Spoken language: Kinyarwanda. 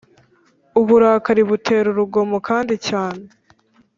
uburakari butera urugomo kandi cyane